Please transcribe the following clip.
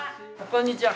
こんにちは。